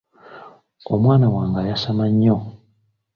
Omwana wange ayasama nnyo.